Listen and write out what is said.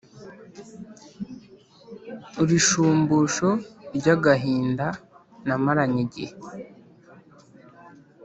urishumbusho ryagahinda namaranye igihe